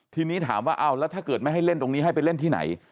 ทีนี้ถามว่าเอาแล้วถ้าเกิดไม่ให้เล่นตรงนี้ให้ไปเล่นที่ไหน